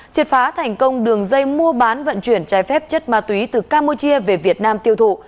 triệt phá thành công đường dây mua bán vận chuyển trái phép chất ma túy từ campuchia về việt nam tiêu thụ